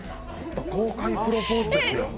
公開プロポーズですよ。